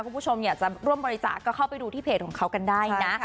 คุณผู้ชมอยากจะร่วมบริจาคก็เข้าไปดูที่เพจของเขากันได้นะ